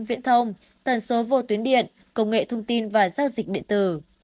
viễn thông tần số vô tuyến điện công nghệ thông tin và giao dịch điện tử